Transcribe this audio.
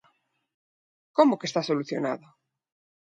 Como que está solucionado?